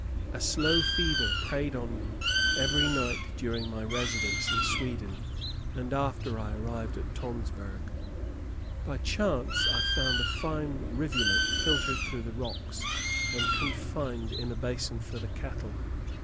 A slow fever preyed on me every night during my residence in Sweden, and after I arrived at Tonsberg. By chance I found a fine rivulet filtered through the rocks, and confined in a basin for the cattle.